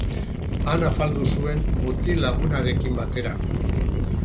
Han afaldu zuen mutil-lagunarekin batera.